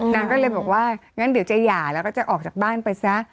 นางก็เลยบอกว่างั้นเดี๋ยวจะหย่าแล้วก็จะออกจากบ้านไปซะ